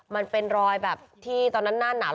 มันเป็นรอยแบบที่ตอนนั้นหน้าหนาว